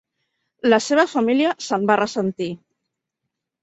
La seva família se'n va ressentir.